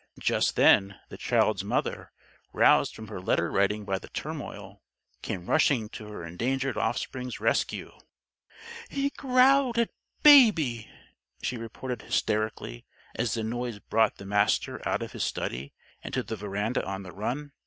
Just then, the child's mother, roused from her letter writing by the turmoil, came rushing to her endangered offspring's rescue. "He growled at Baby," she reported hysterically, as the noise brought the Master out of his study and to the veranda on the run.